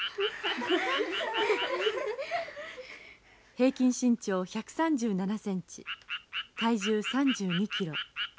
平均身長１３７センチ体重３２キロ。